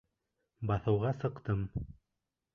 Баҫыуға сыҡтым.